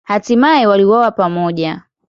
Hatimaye waliuawa pamoja.